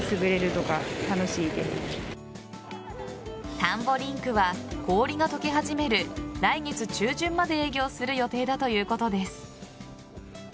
田んぼリンクは氷が解け始める来月中旬まで営業する予定だということです。